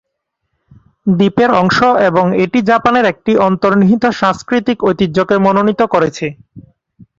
দ্বীপের অংশ এবং এটি জাপানের একটি অন্তর্নিহিত সাংস্কৃতিক ঐতিহ্যকে মনোনীত করেছে।